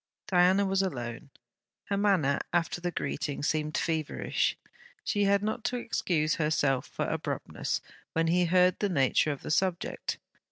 Diana was alone. Her manner, after the greeting, seemed feverish. She had not to excuse herself for abruptness when he heard the nature of the subject.